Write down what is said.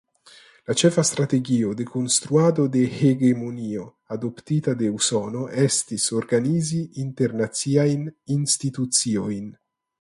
La ĉefa strategio de konstruado de hegemonio adoptita de Usono estis organizi internaciajn instituciojn.